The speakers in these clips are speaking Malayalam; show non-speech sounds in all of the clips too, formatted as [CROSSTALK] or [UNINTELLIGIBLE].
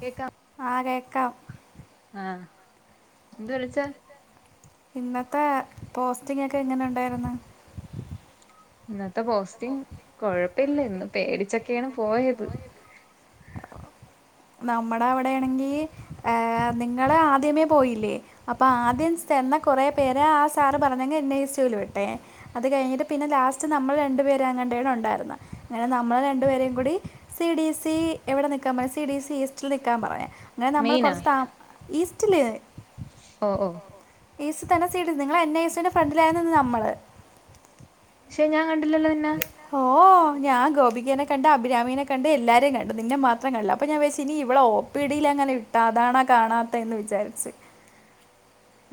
കേക്ക ആഹ് കേക്കാം ആഹ് എന്ത് വിളിച്ചേ? ഇന്നത്തെ പോസ്റ്റിങ്ങക്കെ എങ്ങനെ ഉണ്ടായിരുന്നു. ഇന്നത്തെ പോസ്റ്റിങ് കൊഴപ്പല്ല ഇന്ന് പേടിച്ചക്കെയാണ് പോയത്. നമ്മടെ അവിടെയാണെങ്കിൽ ഏഹ് നിങ്ങള് ആദ്യമേ പോയില്ലേ. അപ്പ ആദ്യം ചെന്ന കൊറേ പേര് ആ സാറ് പറഞ്ഞെങ്‌ എൻ ഐ സി യൂ ല് വിട്ടേ അത് കഴിഞ്ഞിട്ട് പിന്നെ ലാസ്റ്റ് നമ്മൾ രണ്ടുപേരെ എങ്ങണ്ടേ ഉണ്ടായിരുന്നെ അങ്ങനെ നമ്മൾ രണ്ടുപേരേഗുടി സി ഡി സി എവിടെ നിക്കാൻ പെ സി ഡി സി ഈസ്റ്റ്ൽ നിക്കാൻ പറഞ്ഞ് അങ്ങനെ നമ്മൾ കൊറച്ച് താ ഈസ്റ്റ്ല് ഓഹ് ഓഹ് ഈസ്റ്റിൽ തന്നെ സി ഡി നിങ്ങൾ എൻ ഐ സുൻ്റെ് ഫ്രെണ്ടിലായിരുന്നു ന്ന് നമ്മള് പക്ഷെ ഞാ കണ്ടില്ലല്ലോ നിന്നെ ഹോ ഓഹ് ഞാൻ ഗോപികനെ കണ്ട് അഭിരാമീനെ കണ്ട് എല്ലാരെ കണ്ട് നിന്നെ മാത്രം കണ്ടില്ല അപ്പ ഞാൻ വിചാരിച്ചു ഇനി ഇവള് ഒ പിടിയില അങ്ങനെ ഇട്ടെ അതാണ കാണാത്തെ എന്ന് വിചാരിച്ച്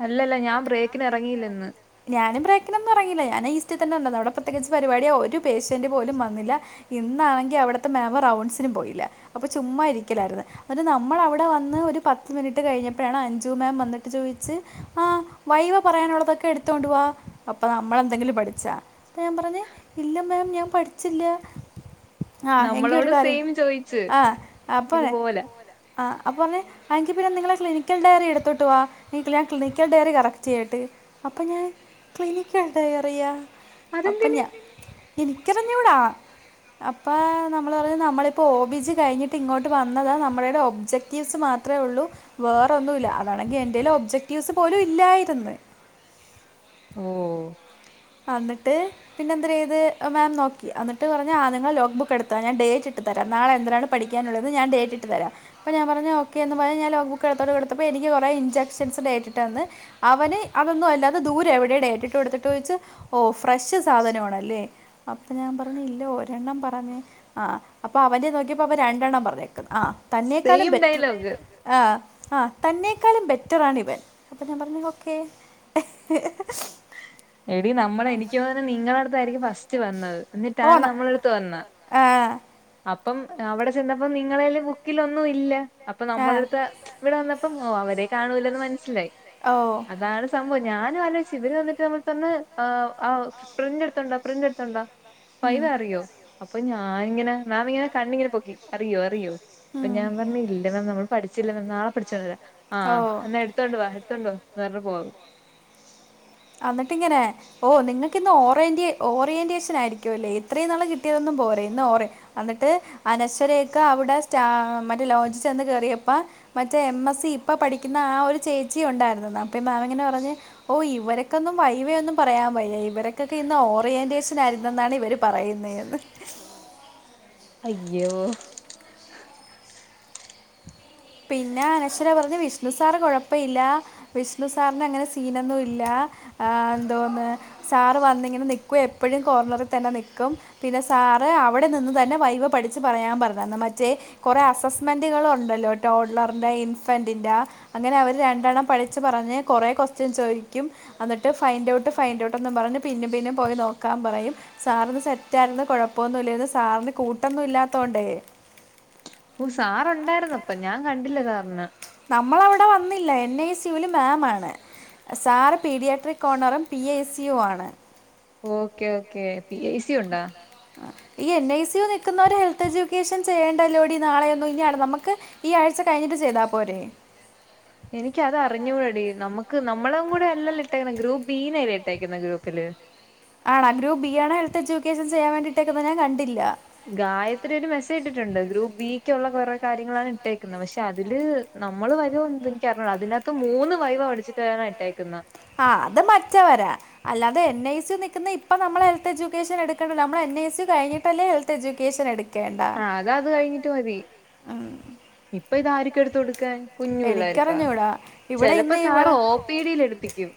അല്ലല്ല ഞാൻ ബ്രേക്കിന് ഇറങ്ങിയില്ലിന്ന് ഞാനും ബ്രേക്കിനൊന്നും എറങ്ങില്ല ഞാന് ഈസ്റ്റ്ൽ തന്നെ നിന്നത അവിടെ പ്രത്യേകിച്ച് പരിപാടി ഒരു പേഷ്യന്റ് പോലും വന്നില്ല. ഇന്നാണെങ്കി അവിടത്തെ മാം റൗൺസിനും പോയില്ല അപ്പൊ ചുമ്മാ ഇരിക്കലായിരുന്നു. ന്നട്ട് നമ്മൾ അവിടെ വന്ന് ഒരു പത്ത് മിനിറ്റ് കഴിഞ്ഞപ്പോഴാണ് അഞ്ചു മാം വന്നിട്ട് ചോയിച്ച് ആഹ് വൈവ പറയാനുള്ളതൊക്കെ എടുത്തോണ്ട് വാ അപ്പൊ നമ്മള് എന്തെങ്കിലും പഠിച്ചാ ഞാൻ പറഞ്ഞേ ഇല്ല മാം ഞാൻ പഠിച്ചില്ല. ആഹ് എങ്കി ഒരു കാര്യം ആഹ് അപ്പൊ ആഹ് അപ്പൊ പറഞ്ഞ് ആഹ് എങ്കിൽ പിന്നെ നിങ്ങളെ ക്ലിനിക്കൽ ഡയറി എടുത്തിട്ട് വാ. ഞാന് ക്ലിനിക്കൽ ഡയറി കറക്റ്റ് ചെയ്യട്ടെ. അപ്പം ഞാൻ ക്ലിനിക്ക [UNINTELLIGIBLE] അറിയാ അപ്പം ഞാ എനിക്കറിഞ്ഞൂടാ അപ്പാ നമ്മള് പറയും നമ്മളിപ്പോ ഓബിജി കഴിഞ്ഞിട്ട് ഇങ്ങോട്ട് വന്നതാ നമ്മളിവിടെ ഒബ്ജക് ക്റ്റീവ്സ് മാത്രേ ഒള്ളൂ വേറൊന്നുല്ല അതാണെങ്കി എന്റെല് ഒബ്ജക്റ്റീവ്സ് പോലും ഇല്ലായിരുന്നു ഓഹ് അന്നിട്ട് പിന്നെ എന്തര് ചെയ്ത് മാം നോക്കി എന്നിട്ട് പറഞ്ഞ് ആഹ് നിങ്ങൾ ലോക്ക് ബുക്ക് എടുത്തോ ഞാൻ ഡേറ്റ് ഇട്ട് തരാ നാളെ എന്തരാണ് പഠിക്കാനുള്ളത് ഞാൻ ഡേറ്റിട്ട് തരാം അപ്പം ഞാൻ പറഞ്ഞു ഓക്കേ എന്ന് പറഞ്ഞ് ഞാന് ലോഗ് ബുക്ക് എടുത്തോണ്ട് കൊടുതപ്പോ എനിക്ക് കുറെ ഇൻജെക്ഷൻസ് ഡേറ്റ് ഇട്ട് തന്ന് അവന് അതൊന്നും അല്ലാതെ ദൂരെ എവിടേ ഡേറ്റിട്ട് കൊടുത്തിട്ട് ചോയിച്ച് ഓ ഫ്രഷ് സാധനമാണല്ലേ അപ്പം ഞാൻ പറഞ്ഞ് ഇല്ല ഒരെണ്ണം പറഞ്ഞ് ആഹ് അപ്പൊ അവൻ്റെ നോക്കിയപ്പോ അവൻ രണ്ടെണ്ണം പറഞ്ഞേക്കന്ന് ആഹ് തന്നേക്കാളും ബെറ്ററ് ആഹ് ആഹ് തന്നേക്കാളും ബെറ്റർ ആണ് ഇവൻ അപ്പൊ ഞാൻ പറഞ്ഞു ഓക്കെ. [INAUDIBLE] [INAUDIBLE] എടീ നമ്മള് എനിക്ക് തോന്നണെ നിങ്ങളെ അടുത്തായിരിക്കും ഫസ്റ്റ് വന്നത് എന്നിട്ടാണ് നമ്മളെ അടുത്ത് വന്നെ അപ്പം അവിടെ ചെന്നപ്പോ നിങ്ങളേല് ബുക്കിലൊന്നും ഇല്ല അപ്പൊ നമ്മളെടുത്ത് ഇവിടെ വന്നപ്പം ഓ അവരെ കാണൂലന്ന് മനസ്സിലായി ഓഹ് അതാണ് സംഭവം ഞാനും ആലോചിച്ച് ഇവര് വന്നിട്ട് നമ്മളെടുത്ത് പറഞ്ഞ് ആഹ് ആഹ് പ്രിന്റ് എടുത്തു കൊണ്ടാ പ്രിന്റ് എടുത്തു കൊണ്ടാ വൈവ അറിയോ അപ്പൊ ഞാനിങ്ങനെ മാമിങ്ങനെ കണ്ണിങ്ങനെ പൊക്കി അറിയോ അറിയോ അപ്പൊ ഞാൻ പറഞ്ഞ് ഇല്ല മാം നമ്മള് പഠിച്ചില്ല മാം നാളെ പഠിച്ചോണ്ട് വെരാ ആഹ് എന്നാ എടു ടുത്തോണ്ടു വാ എടുത്തോണ്ടു വാ എന്ന് പറഞ്ഞ് പോവും അന്നിട്ട് ഇങ്ങനെ ഓ നിങ്ങക്കിന്ന് ഓ ഓറിയൻ്റെ ഓറിയൻറ്റേഷൻ ആയിരിക്കുവല്ലേ ഇത്രയും നാള് കിട്ടിയതൊന്നും പോരെ ഇന്ന് ഓറി അന്നിട്ട് അനശ്വരയൊക്കെ അവിടെ സ്റ്റാ മറ്റേ ലോജ് ചെന്ന് കേറിയപ്പാ മറ്റേ എം എസ് സി ഇപ്പൊ പഠിക്കുന്ന ആ ഒരു ചേച്ചി ഒണ്ടായിരുന്നെന്ന് അപ്പൊ ഈ മാം ഇങ്ങനെ പറഞ്ഞ് ഓ ഇവരൊ ക്കൊന്നും വൈവയൊന്നും പറയാൻ വയ്യ ഇവര്ക്കൊക്കെ ഇന്ന് ഓറിയന്റേഷൻ ആയിരുന്നെന്നാണ് ഇവര് പറയുന്നേ എന്ന് അയ്യോ പിന്നെ അനശ്വര പറഞ്ഞ് വിഷ്ണു സാറ് കൊഴപ്പയില്ല വിഷ്ണു സാറിന് അങ്ങനെ സീനൊന്നും ഇല്ല ആഹ് എന്തോന്ന് സാറ് വന്നിങ്ങനെ നിക്കും എപ്പഴും കോർണറി തന്നെ നിക്കും പിന്നെ സാറ് അവിടെ നിന്ന് തന്നെ വൈവ പഠിച്ച് പറയാൻ പറഞ്ഞന്ന് മറ്റേ കൊറെ അസസ്മെന്റുകളൊണ്ടല്ലോ ടോൻഡലറിന്റെ ഇൻഫന്റിന്റെ അങ്ങനെ അവര് രണ്ടെണ്ണം പഠിച്ചു പറഞ്ഞ് കൊറെ ക്വസ്റ്റ്യൻ ചോദിക്കും അന്നിട്ട് ഫൈൻ്റ് ഔട്ട് ഫൈൻ്റ് ഔട്ട് എന്നും പറഞ്ഞ് പിന്നും പിന്നും പോയി നോക്കാൻ പറയും സാറിന്ന് സെറ്റായിരുന്നു കൊഴപ്പൊന്നും ഇല്ലാരുന്ന് സാറിന് കൂട്ടൊന്നും ഇല്ലാത്തോണ്ടേ ഓഹ് സാറൊണ്ടായിരുന്ന് അപ്പൊ ഞാൻ കണ്ടില്ല സാറിനെ നമ്മള് അവിടെ വന്നില്ല എൻ ഐ സി യുവില് മാം ആണ് സാറ് പീഡിയാട്രിക് കോണറും പി ഐ സി യു ആണ്. Okay okay P I C യൊണ്ടോ ആഹ് ഈ എൻ ഐ സി യു നിക്കുന്നോര് ഹെൽത്ത് എഡ്യൂക്കേഷൻ ചെയ്യേണ്ടല്ലോടി നാളെ ഒന്നും ഇനി അ നമ്മക്ക് ഈ ആഴ്ച്ച കഴിഞ്ഞിട്ട് ചെയ്താ പോരെ? എനിക്കത് അറിഞ്ഞൂടെടി നമ്മുക്ക് നമ്മളും കൂടെ അല്ലല്ലോ ഇട്ടേക്കണെ ഗ്രൂപ്പ് ബിന്നല്ലേ ഇട്ടേക്കുന്ന ഗ്രൂപ്പില് ആണാ ഗ്രൂപ്പ് ബി ആണോ ഹെൽത്ത് എഡ്യൂക്കേഷൻ ചെയ്യാൻ വേണ്ടി ഇട്ടേക്കുന്നെ ഞാൻ കണ്ടില്ല ഗായത്രി ഒരു മെസ്സേജ് ഇട്ടിട്ടുണ്ട് ഗ്രൂപ്പ് ബിക്കുള്ള കൊറേ കാര്യങ്ങളാണ് ഇട്ടേക്കുന്നത് പക്ഷെ അതില് നമ്മള് വരുവൊ എന്ത് എനിക്കറിഞ്ഞൂടാ അതിനാത്ത് മൂന്ന് വൈവ പടിച്ചിട്ട് വരാനാ ഇട്ടേക്കുന്നെ ആഹ് അത് മറ്റെവരാ അല്ലാതെ എൻ ഐ സി യു നിക്കുന്ന ഇപ്പൊ നമ്മള് ഹെൽത്ത് എഡ്യൂക്കേഷൻ എടുക്കെണല്ല നമ്മള് എൻ ഐ സി യു കഴിഞ്ഞിട്ടല്ലേ ഹെൽത്ത് എഡ്യൂക്കേഷൻ എടു ക്കേണ്ട എന്നാ അത് കഴിഞ്ഞിട്ട് മതി ഇപ്പ ഇത ആരും ആർക്ക് എടുത്ത കൊടുക്കാൻ കുഞ്ഞു പിള്ളേർക്കൊ ചിലപ്പോ സാറ ഓ പി ഡി ൽ എടുപ്പിക്കും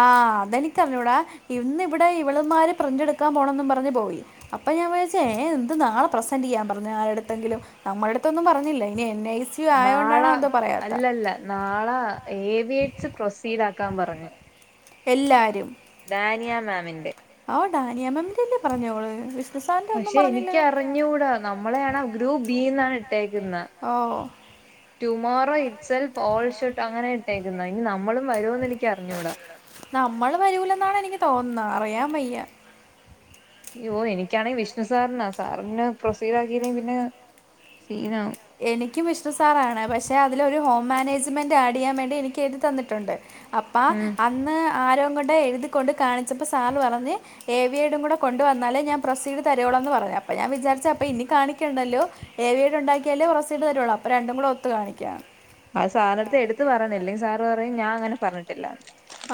ആഹ് അതെനിക്ക് അറിഞ്ഞൂടാ ഇന്ന് ഇവിടെ ഇവള്മാര് പ്രിന്റ് എടുക്കാൻ പോണെന്നും പറഞ്ഞ് പോയി അപ്പൊ ഞാൻ വിചാരിച്ച് ഏ എന്ത് നാളെ പ്രസെന്റ് ചെയ്യാൻ പറഞ്ഞു ആരടുത്തെങ്കിലും. നമ്മളടുത്തൊന്നും പറഞ്ഞില്ല ഇനി എൻ ഐ സി നാളെ അല്ലല്ല നാളെ ഏവിയേറ്റ്സ് പ്രൊസീഡ് ആക്കാൻ പറഞ്ഞ് എല്ലാരും ഡാനിയാ മാമിന്റെ ഓ ഡാനിയ മാംമിന്റെല്ലേ പറഞ്ഞോള് പക്ഷെ എനിക്ക് അറിഞ്ഞൂടാ നമ്മളെയാണ് ഗ്രൂപ്പ് ബിന്നാണ് ഇട്ടേക്കുന്ന ടുമോറോ ഇറ്റ്സ് എൽഫ് ഓൾഷുഡ് അങ്ങനെ ഇട്ടേക്കുന്ന ഇനി നമ്മളും വരുമോന്ന് എനിക്ക് അറിഞ്ഞൂടാ നമ്മൾ വരൂലന്നാണ് എനിക്ക് തോന്നാ അറിയാൻ വയ്യ അയ്യോ എനിക്കാണെങ്കിൽ വിഷ്ണു സാറിനാ സാറിനെ പ്രൊസീഡ് ആക്കിലെ പിന്നെ സീനാവും എനിക്കും വിഷ്ണുസാറാണ് പക്ഷെ അതിലൊരു ഹോം മാനേജ്മെന്റ് ആഡ് ചെയ്യാൻ വേണ്ടി എനിക്ക് എഴുതി തന്നിട്ടുണ്ട് അപ്പ അന്ന് ആരോ കൊണ്ട് എഴുതിക്കൊണ്ട് കാണിച്ചപ്പ സാറ് പറഞ്ഞ് എവി ഏടും കൂടെ കൊണ്ട് വന്നാലേ ഞാൻ പ്രൊസീഡ് തരെയൊള്ളൂന്ന് പറഞ്ഞു അപ്പൊ ഞാൻ വിചാരിച്ച അപ്പൊ ഇനി കാണിക്കണ്ടല്ലോ- ഏവി ഏടുംണ്ടാക്കിയാലേ പ്രോസീഡ് തരൊള്ളൂ അപ്പൊ രണ്ടും കൂടെ ഒത്തു കാണിക്കാ അത് സാറിനടുത്ത് എടുത്ത് പറയണം ല്ലെങ്കിൽ സാറ് പറയും ഞാൻ അങ്ങനെ പറഞ്ഞിട്ടില്ലാ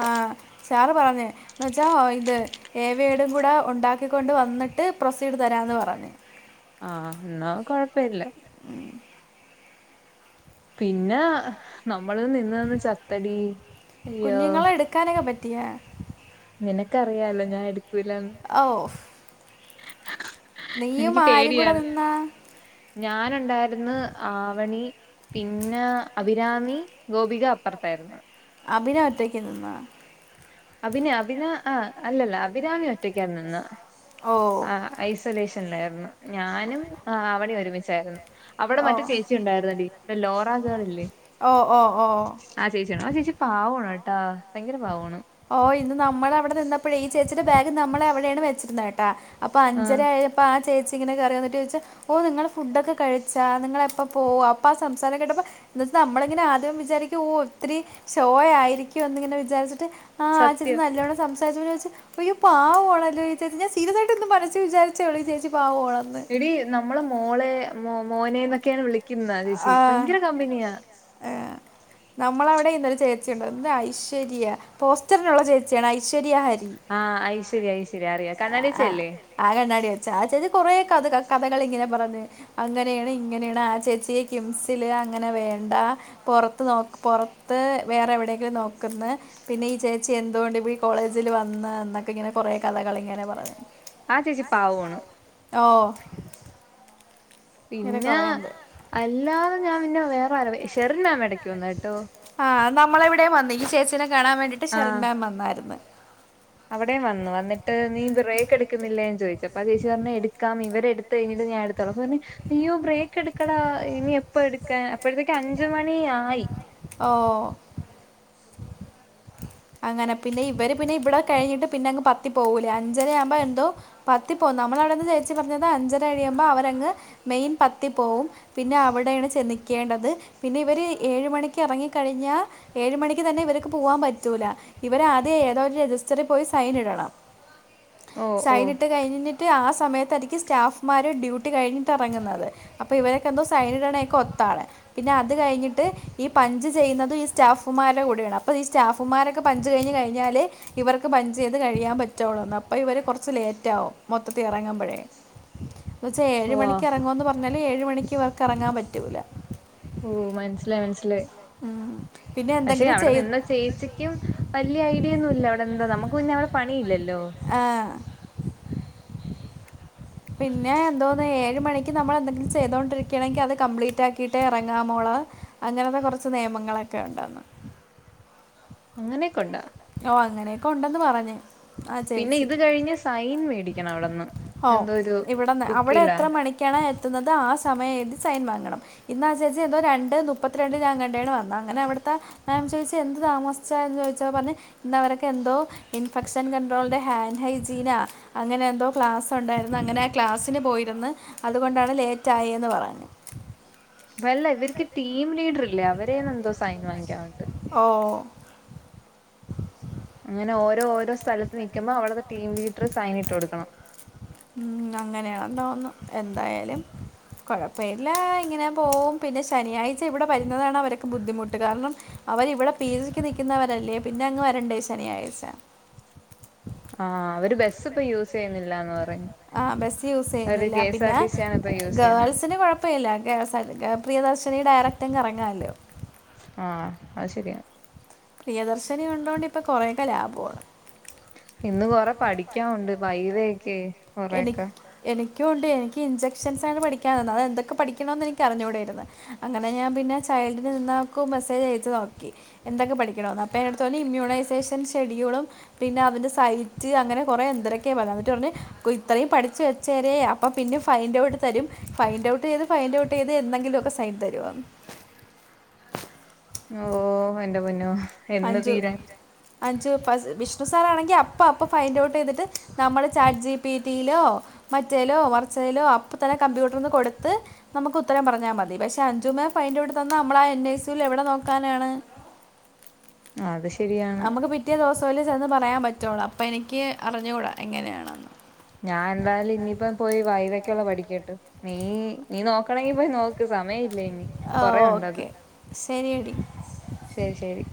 ആഹ സാറ് പറഞ്ഞ് - എന്ന് വെച്ചാ ഇത് ഏവേടും കൂടെ ഒണ്ടാക്കിക്കൊണ്ട് വന്നിട്ട് പ്രൊസീഡ് തരാന്ന് പറഞ്ഞ് ആഹ ന്നാ കൊഴപ്പല്ല പിന്നെ നമ്മൾ നിന്ന് നിന്ന് ചത്തടി അയ്യോ - ക്കാനോക്കെ പറ്റിയ നിനക്കറിയാലോ ഞാൻ എടുക്കൂലാന്ന്- ഔഫ് നീയും ആരും കൂടെ നിന്നാ- ഞാന്ണ്ടായിർന്ന് ആവണി പിന്നെ അഭിരാമി ഗോപിക അപ്പർത്തായിരുന്നു അഭിന ഒറ്റയ്ക്ക് നിന്നാ - അഭിന അഭിന ആ അല്ലല്ല അഭിരാമി ഒറ്റക്കാ നിന്ന ആ ഐസൊലേഷൻലായിരുന്നു ഞാനും ആവണിയും ഒരുമിച്ചായിരുന്നു അവിടെ മറ്റെ ചേച്ചി ഉണ്ടായിരുന്നഡീ ഇ ലോറ ഗേൾല്ലേ ആ ചേച്ചിയാണോ ആ ചേച്ചി പാവാണുട്ടാ ഭയങ്കര പാവാണ് ഓ ഇന്ന് നമ്മള അവിടെ നിന്നപ്പഴേ ഈ ചേച്ചിയുടെ ബാഗ് നമ്മളെവിടെയാണ് വെച്ചിരുന്ന കേട്ടാ അപ്പൊ അഞ്ചരയായപ്പോ ആ ചേച്ചി ഇങ്ങനെകേറിവന്നിട്ട് ചോയിച്ചു ഓ നിങ്ങള് ഫുഡൊക്കെ കഴിച്ചാ നിങ്ങൾ എപ്പ പോവാ അപ്പൊ ആ സംസാരം കേട്ടപ്പോ - എന്നിട്ട് നമ്മളിങ്ങനെ ആദ്യം വിചാരിക്കും ഓ ഒത്തിരി ഷോയായിരിക്കുന്ന് ഇങ്ങനെ വിചാരിച്ചിട്ട് ആ ചേച്ചി നല്ലോണം സംസാ ചാരിച്ച് അയ്യോ പാവാണല്ലോ ചച്ചേച്ച ഞാൻ സീരിയസായിട്ട് മനസ്സ് വിചാരിച്ചേള്ളൂ ചേച്ചി പാവാണന്ന് എടി നമ്മളെ മോളെ മോനെന്നൊക്കെയാണ് വിളിക്കുന്ന ചേച്ചി ഭയങ്കര കമ്പിനിയാ- ഏഹ് നമ്മളവിടെ ഇന്നൊരു ചേച്ചിയുണ്ട് ഐശ്വര്യ പോസ്റ്ററിനുള്ള ചേച്ചിയാണ് ഐശ്വര്യ ഹരി ആഹ ഐശ്വര്യ ഐശ്വര്യ അറിയാ കണ്ണാടിവെച്ചയല്ലേ ആ കണ്ണാടി വച്ച ആ ചേച്ചി കൊറെ കഥ കഥകൾ ഇങ്ങനെ പറഞ്ഞു അങ്ങനെയാണ് ഇങ്ങനെയാണ് ആ ചേച്ചിയെ കിംസില് അങ്ങനെ വേണ്ട പൊറത്ത് നോ പൊറത്ത് വേറെ എവിടെയെങ്കിലും നോക്കുന്ന് പിന്നെ ഈ ചേച്ചി എന്തുകൊണ്ട് ഇപ്പ ഈ കോളേജിൽ വന്നന്നൊക്കെ ഇങ്ങനെ കൊറേ കഥകളിങ്ങനെ പറഞ്ഞു ആ ചേച്ചി പാവാണ് ഓ പിന്നെ അല്ലാതെ ഞാൻ പിന്നെ വേറാരോ ഷെറിന്മാം ആയിടക്ക് വന്നട്ടോ ആ് നമ്മളെവിടെയും വന്നു ഈ ചേച്ചിനെ കാണാൻ വേണ്ടിട്ട് ഷെറിൻമാം വന്നാരുന്നു അവിടെയും വന്നു വന്നിട്ട് നീ എന്താ ബ്രേക്ക് എടുക്കുന്നില്ലേന്ന് ചോദിച്ചു അപ്പ ചേച്ചി പറഞ്ഞ എടുക്കാം ഇവരെടത്തി കഴിഞ്ഞട്ട് ഞാൻ എടുത്തോള അപ്പപറഞ്ഞു അയ്യോ ബ്രേക്ക് എടുക്കടാ ഇനി എപ്പ എടുക്കും ക്കാ അപ്പോഴത്തേക്ക് അഞ്ചുമണിയായി ഓഹ് അങ്ങനെ പിന്നെ ഇവര് പിന്നെ ഇവിടെ കഴിഞ്ഞിട്ട് പിന്നെ അങ്ങ് പത്തി പോവൂലേ അഞ്ചര ആവുമ്പോ എന്തോ പത്തി പോവുന്നാ നമ്മളവിടെന്ന് ചേച്ചി പറഞ്ഞത് അഞ്ചര കഴിയുമ്പോ അവരങ് മെയിൻ പത്തി പോവും പിന്നെ അവിടെയാണ് ചെന്നക്കേണ്ടത് പിന്നെ ഇവര് ഏഴ് മണിക്ക് എറങ്ങിക്കഴിഞ്ഞാൽ- ഏഴ്മണിക്ക്തന്നെഇവരക്ക് പോവാൻപറ്റും പറ്റൂല ഇവര് ആദ്യേഏതോരുരജിസ്റ്ററിൽ പോയി സൈൻ ഇടണം സൈന്ട്ട്കഴിഞ് കഴിഞ്ഞിട്ട് ആ സമയത്താര്ക്കും സ്റ്റാഫ്മാര് ഡ്യൂട്ടി കഴിഞ്ഞിട്ടറങ്ങുന്നത് അപ്പൊ ഇവരൊക്കെന്തോസൈനട്ണോക്കെ ഓത്താണ് പിന്നെഅത്കഴിഞ്ഞിട്ട്ഈപഞ്ച് ചെയ്യുന്നതുംഈസ്റ്റാഫുമാരുടെ കൂടെയാണ് അപ്പൊ ഈസ്റ്റാഫ് സ്റ്റാഫ് മാരൊക്കെ പഞ്ച്കഴിഞ്കഴിഞ്ഞാല് ഇവർക്ക് പഞ്ച്ചെയ്ത് കഴിയാൻ പറ്റുള്ളൂന്ന്അപ്പൊഇവര് കൊറച്ച്ലേറ്റ ആവും മൊത്തത്തിഇറങ്ങുമ്പഴേ എന്നച്ചാ ഏഴ്മണിക്ക് ഇറങ്ങോന്ന് പറഞ്ഞാല്ഏഴ്മണിക്ക് ഇവർക്ക് ഇറങ്ങാൻപറ്റൂല ഓ മൻസിലായിമൻസിലായി പക്ഷെ അവിടെ നിന്ന ചേച്ചിക്ക് ചേച്ചിക്ക് വല്യഐഡ്യായൊന്നുല്ല അവിടെ എന്താ നമുക്ക്പിന്നെ അവിടെ പണിയില്ലല്ലോ ആഹ് പിന്നെ എന്തോന്ന് ഏഴ്മണിക്ക് ഇനി നമ്മള്ളെന്തെങ്കിലും ചെയ്തോണ്ടിരിക്കണങ്കി അത്കപ്ലീറ്റ് ആക്കിട്ട് ഇറങ്ങാമോള അങ്ങനത്തെ കുറച്ച് നിയമങ്ങളാ നിയമങ്ങളൊക്കെ ഉണ്ടെന്ന് അങ്ങനെക്കോണ്ടാ ഓ അങ്ങനെയൊക്കെഉണ്ടെന്ന് പറഞ്ഞ് ആ ചേച്ചിടെ ഇത് കഴിഞ്ഞു ടൈം ഓ ഇവടെന്ന് അവിടെ എത്ര മണി മണ്ണിക്കണോ എത്തുന്നത്ആസമയെ ഴുതി സൈൻ വാങ്ങണം ഇന്ന് ആ ചേച്ചി എന്തോ രണ്ട് മുപ്പത്തിരണ്ടിനെങ്ങോണ്ടാ വന്നേ അങ്ങനെ അവിട്ത്തെ ഞാൻ ചോയ്ച്ച് എന്ത് താമസിച്ചെന്ന് ചോയ്ച്ചപ്പോ പറഞ് ഇന്ന് അവരൊക്കെ എന്തോ ഇൻഫെക്ഷൻ കൺണ്ട്രോളിന്റെ ഹാൻ ഹൈജീനാ അങ്ങനെഎന്തോ ക്ലാസ്സണ്ടായിരുന്നു അങ്ങനെക്ലാസ്സിന് പോയിരുന്ന് അതുകൊണ്ടാണ് ലേറ്റാആയെന്ന് പറഞ്ഞു അല്ല ഇവർക്ക്ടീം ലീഡർ ഇല്ലേ അവരെന്ന് എന്തോസൈൻ വാങ്ങിക്കാനുണ്ട് ഓഹ് അങ്ങനെ ഓരോ ഓരോ സ്ഥലത്ത് നിക്കുമ്പോ അവിടുത്തെടീംലീഡർ സൈൻഇട്ട്കൊട്ക്കണം ഉം അങ്ങനാണെന്ന് തോന്നുന്നു എന്തായാലും കുഴപ്പല്ലാ ഇങ്ങനെ പോവും പിന്നെ ശനിയാഴ്ച ഇവിടെ വരുന്നതാണ് അവർക്ക് ബുദ്ധിമുട്ട് കാരണം അവര് ഇവിടെ പീജിക്ക് നിക്കുന്നവരല്ലേ പിന്നെ അങ്ങ് വരണ്ടേ ശനിയാഴ്ച്ച ആഹ് അവര് ബെസ്സ് പ്പ യൂസ് ചെയ്യുന്നില്ല പറയുന്നു അവര് കെസാർടിസി ആണ് ഇപ്പ യൂസ് ചെയ്യുന്ന് പ്പ ഇല്ല കെസർ ടി പ്രിയദർശിനി ഡയറക്റ്റങ്ങ്റങ്ങാല്ലോ ആഹ് അത് ശരിയാ പ്രിയദർശിനി ഉണ്ടോണ്ട് ഇപ്പൊ കൊറേക്കെ ലാബു ആണ് ഇന്ന് കൊറ പഠിക്യാഉണ്ട് വൈവൊക്കെ എനിക്ക് എനിക്കുണ്ട്എനിക്ക് ഇൻജ ക്ഷൻസാണ് പഠിക്കാതന്നത് അതാ എന്തൊക്കെ പഠിക്കണമെന്ന് എനിക്കറിഞ്ഞുടായിര്ന്ന് അങ്ങനെ ഞാൻ പിന്നെ ചൈൽഡന് നിന്നാൾക്കു മെസ്സേജ് അയച്ച്നോക്കി എന്തൊക്കെ പഠിക്കണോന്ന് അപ്പ ഇന്റെ ടുത്ത് പറഞ്ഞു ഇമ്മ്യൂണൈസേഷൻ ഷെഡ്യൂളും പിന്നെ അവരെസൈറ്റ് അങ്ങനെ കൊറെഎന്തരൊക്കെ പറഞ്ഞിട്ടുണ്ട് ഇപ്പഴേ പഠിച്ച് വച്ചേരേ അപ്പം പിന്നെ ഫൈന്റ്ഔട്ട് തരും ഫൈൻ്ഔട്ട് ചെയ്ത് ഫൈൻഔട്ട് ഇത് എന്തെങ്കിലുഒക്കെ സൈൻ തരുവോ ഓഹ് എന്റെപൊന്നോ അഞ്ചു അഞ്ചു പ വിഷ്ണു സാറണെങ്കി അപ്പഅപ്പ ഫൈൻഡ് ഔട്ട് ചെയ്തിട്ട് നമ്മുടെ ചാറ്റ് ജി പി ടി യിലോ മറ്റേലോ മറിച്ചേലോ അപ്പതന്നെ കമ്പ്യൂട്ടർന്ന് കൊട്ത്ത് നമുക്ക് ഉത്തരം പറഞ്ഞാമതി പക്ഷെ അഞ്ചുമേം ഫൈൻ്റഔട്ട്‌തന്നാ നമ്മളാ എൻ ഐ സുൽ എവിടെ നോക്കാനാണ് ആഹ് അത് ശരിയാണ് പിറ്റേദിവസല്ലെ ചെന്ന് പറയാൻ പറ്റുള്ളൂ, അപ്പഎനിക്ക് അറിഞ്ഞൂട എങ്ങനെയാണ് ഞാൻ എന്തായാലും ഇനിയിപ്പം പോയി വൈവക്കുള്ള പഠിക്കട്ട് നീ നീ നോക്കണെങ്കി പോയി നോക്ക് സമയം ഇല്ല ഇനി ആഹ് ഓക്കെ ശരിയടി ശരി ശരി